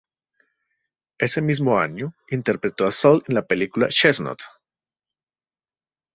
Ese mismo año interpretó a Sal en la película "Chestnut".